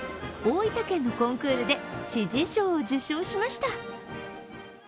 大分県のコンクールで知事賞を受賞しました。